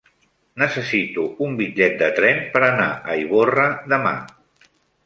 Necessito un bitllet de tren per anar a Ivorra demà.